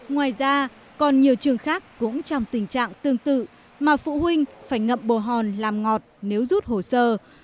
ngoài ra còn nhiều trường khác cũng trong tình trạng tương tự mà phụ huynh phải ngậm bồ hòn làm ngọt nếu rút hồ sơ